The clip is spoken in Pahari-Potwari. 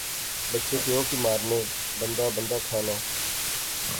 بچے پیو کی مارنے۔۔۔ بندہ بندہ کھانا